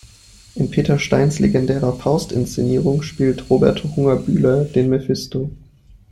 In Peter Steins legendärer "Faust"-Inszenierung spielte Robert Hunger-Bühler den Mephisto.